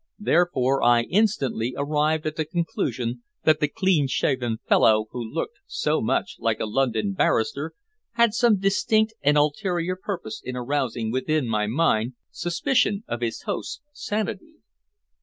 Therefore I instantly arrived at the conclusion that the clean shaven fellow who looked so much like a London barrister had some distinct and ulterior purpose in arousing within my mind suspicion of his host's sanity.